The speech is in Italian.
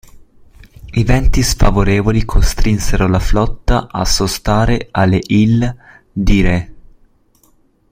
I venti sfavorevoli costrinsero la flotta a sostare alle îles d'Hyères.